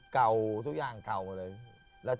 เก่าทุกอย่างเก่าหมดเลย